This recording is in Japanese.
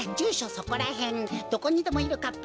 そこらへんどこにでもいるかっぱ